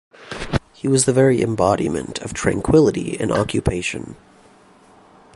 He was the very embodiment of tranquillity in occupation.